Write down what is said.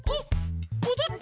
もどった！